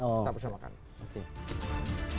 kita bersama kami